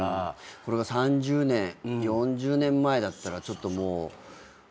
これが３０年４０年前だったらちょっともう。